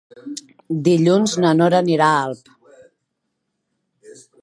Dilluns na Nora anirà a Alp.